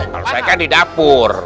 kalau saya kan di dapur